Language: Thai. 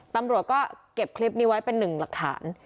ตำรวจก็เก็บคลิปนี้ไว้เป็นหนึ่งหลักฐาน